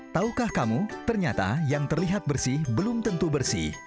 taukah kamu ternyata yang terlihat bersih belum tentu bersih